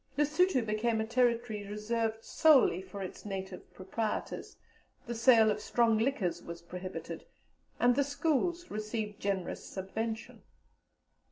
Lessuto became a territory reserved solely for its native proprietors, the sale of strong liquors was prohibited, and the schools received generous subvention.